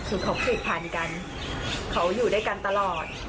คือเขาผูกพันกันเขาอยู่ด้วยกันตลอด